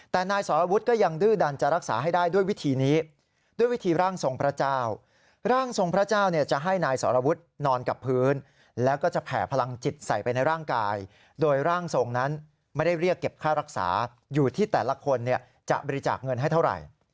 แต่นายสรวุฒิก็ยังดื้อดันจะรักษาให้ได้ด้วยวิธีนี้ด้วยวิธีร่างทรงพระเจ้าร่างทรงพระเจ้าเนี่ยจะให้นายสรวุฒินอนกับพื้นแล้วก็จะแผ่พลังจิตใส่ไปในร่างกายโดยร่างทรงนั้นไม่ได้เรียกเก็บค่ารักษาอยู่ที่แต่ละคนจะบริจาคเงินให้เท่าไหร่